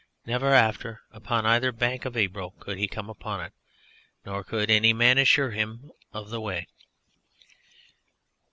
Never after upon either bank of Ebro could he come upon it, nor could any man assure him of the way.